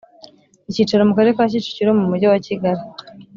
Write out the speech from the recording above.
icyicaro mu Karere ka Kicukiro mu Mujyi wakigali